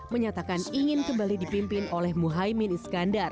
menyatakan ingin kembali dipimpin oleh muhaymin iskandar